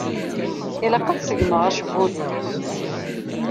Ilaq ad segmeγ acebbub-iw.